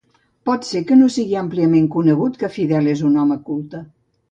Pot ser que no sigui àmpliament conegut que Fidel és un home culte.